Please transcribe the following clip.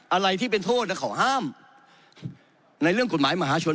อะไรที่เป็นโทษเขาห้ามในเรื่องกฎหมายมหาชน